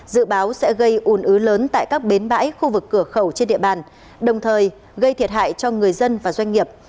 dự báo sẽ gây ủn ứ lớn tại các bến bãi khu vực cửa khẩu trên địa bàn đồng thời gây thiệt hại cho người dân và doanh nghiệp